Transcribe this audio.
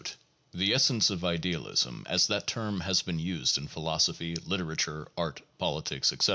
* The essence of idealism, as that term has been used in philosophy, literature, art, politics, etc.